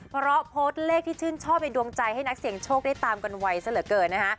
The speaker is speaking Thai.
เพราะโพสต์เลขที่ชื่นชอบในดวงใจให้นักเสียงโชคได้ตามกันไวซะเหลือเกินนะฮะ